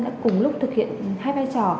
đã cùng lúc thực hiện hai vai trò